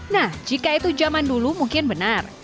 nah jika itu zaman dulu mungkin benar